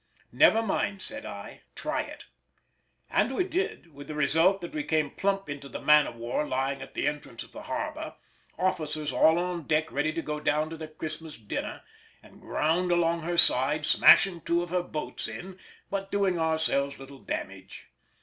"Never mind," said I, "try it"—and we did, with the result that we came plump into the man of war lying at the entrance of the harbour (officers all on deck ready to go down to their Christmas dinner), and ground along her side, smashing two of her boats in, but doing ourselves little damage.